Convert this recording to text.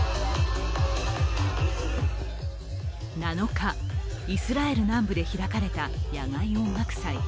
７日、イスラエル南部で開かれた野外音楽祭。